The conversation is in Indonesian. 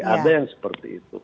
ada yang seperti itu